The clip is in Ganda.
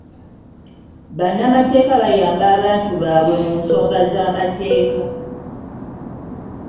Bannamakeeta bayamba abantu baabwe mu nsonga z'amateeka.